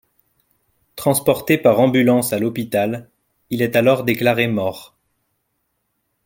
Transporté par ambulance à l'hôpital, il est alors déclaré mort.